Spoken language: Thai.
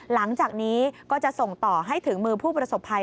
หลังจากนี้ก็จะส่งต่อให้ถึงมือผู้ประสบภัย